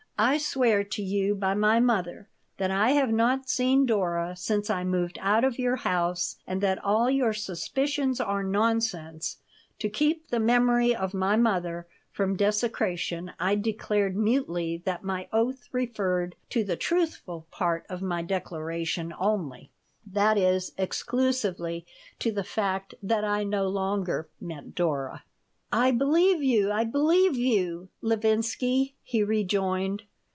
"I swear to you by my mother that I have not seen Dora since I moved out of your house, and that all your suspicions are nonsense" (to keep the memory of my mother from desecration I declared mutely that my oath referred to the truthful part of my declaration only that is, exclusively to the fact that I no longer met Dora) "I believe you, I believe you, Levinsky," he rejoined.